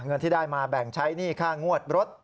เงินที่ได้มาแบ่งใช้หนี้ค่างวดรถ